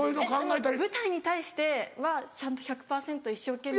でも舞台に対してはちゃんと１００％一生懸命。